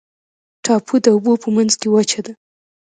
ټاپو د اوبو په منځ کې وچه ده.